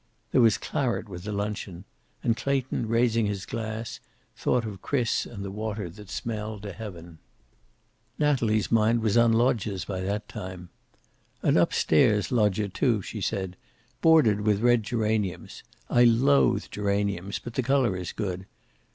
There was claret with the luncheon, and Clayton, raising his glass, thought of Chris and the water that smelled to heaven. Natalie's mind was on loggias by that time. "An upstairs loggia, too," she said. "Bordered with red geraniums. I loathe geraniums, but the color is good.